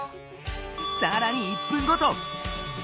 さらに１分ごと！